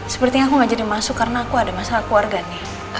sepertinya aku gak jadi masuk karena aku ada masalah keluarganya